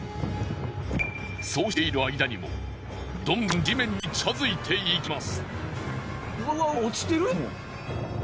そうしている間にもどんどん地面に近づいていきます。